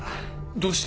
どうして？